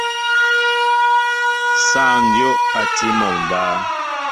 Sááŋ dyów a tí mol mba.